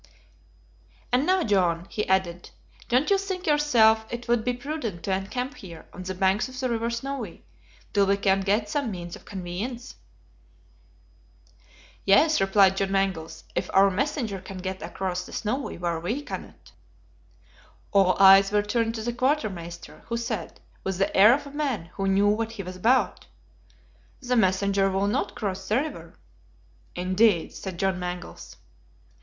"And now, John," he added, "don't you think yourself it would be prudent to encamp here, on the banks of the river Snowy, till we can get some means of conveyance." "Yes," replied John Mangles, "if our messenger can get across the Snowy when we cannot." All eyes were turned on the quartermaster, who said, with the air of a man who knew what he was about: "The messenger will not cross the river." "Indeed!" said John Mangles.